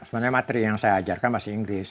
sebenarnya materi yang saya ajarkan masih inggris